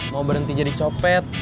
mau berhenti jadi copet